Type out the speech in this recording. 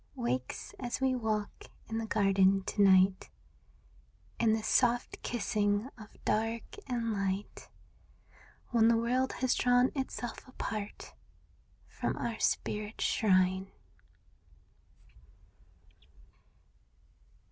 Wakes as we walk in the garden to night. In this soft kissing of dark and light. When the world has drawn itself apart From our spirit's shrine.